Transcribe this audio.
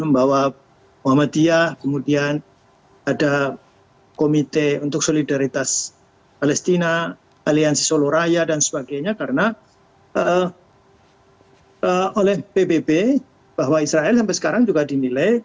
bahwa muhammadiyah kemudian ada komite untuk solidaritas palestina aliansi solo raya dan sebagainya karena oleh pbb bahwa israel sampai sekarang juga dinilai